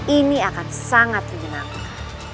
ini akan sangat menyenangkan